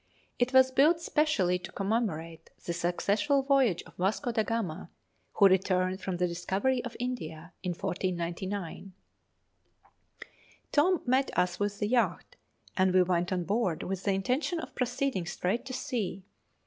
It was built specially to commemorate the successful voyage of Vasco da Gama, who returned from the discovery of India in 1499. [Illustration: Belem Cloister Gardens] Tom met us with the yacht, and, we went on board with the intention of proceeding straight to sea.